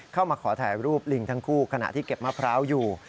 ขอถ่ายรูปลิงทั้งคู่ขณะที่เก็บมะพร้าวอยู่